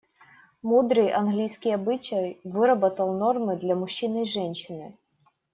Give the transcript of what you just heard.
Мудрый английский обычай выработал нормы для мужчины и женщины.